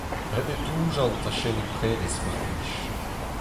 Ret eo doujañ an tachennoù prevez, mar plij.